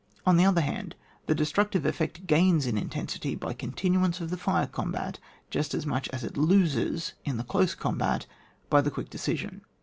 On the other hand, the destruc tive effect gains in intensity by continu ance of the fire combat just as much aa it loses in the close combat by the quick decision.